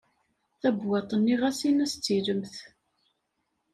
Tabewwaṭ-nni ɣas in-as d tilemt.